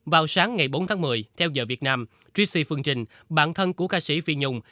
vào sáng ngày bốn tháng một mươi theo giờ việt nam tritsy phương trinh bạn thân của ca sĩ phi nhung